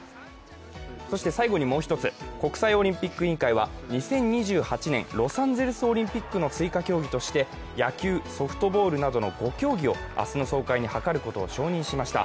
最後にもう一つ国際オリンピック委員会は、２０２８年ロサンゼルスオリンピックの追加競技として野球・ソフトボールなどの５競技を明日の総会に諮ることを承認しました。